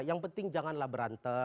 yang penting janganlah berantem